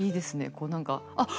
こうなんかあっ！